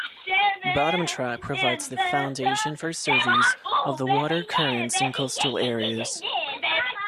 Bottom track provides the foundation for surveys of the water currents in coastal areas.